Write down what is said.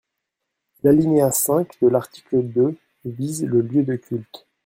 L’alinéa cinq de l’article deux vise le lieu de culte.